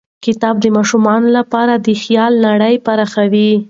کتاب د ماشومانو لپاره د خیال نړۍ پراخوي.